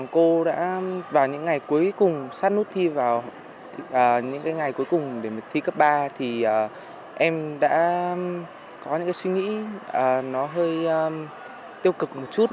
cô đã vào những ngày cuối cùng sát nút thi vào những ngày cuối cùng để thi cấp ba thì em đã có những suy nghĩ nó hơi tiêu cực một chút